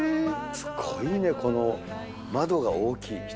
すごいね、この窓が大きい。